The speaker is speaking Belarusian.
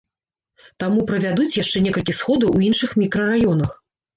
Таму правядуць яшчэ некалькі сходаў у іншых мікрараёнах.